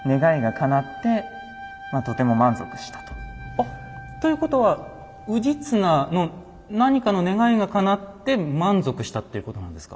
あっ！ということは氏綱の何かの願いがかなって満足したっていうことなんですか？